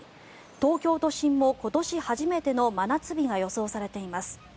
東京都心も今年初めての真夏日が予想されています。